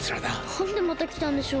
なんでまたきたんでしょうか？